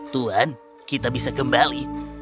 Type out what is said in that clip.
tuhan kita bisa kembali